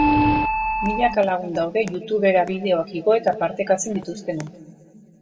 Milaka lagun daude youtubera bideoak igo eta partekatzen dituztenak.